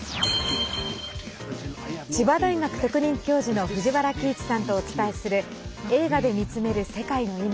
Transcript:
千葉大学特任教授の藤原帰一さんとお伝えする「映画で見つめる世界のいま」。